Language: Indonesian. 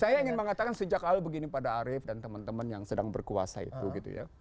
saya ingin mengatakan sejak lalu begini pada arief dan teman teman yang sedang berkuasa itu gitu ya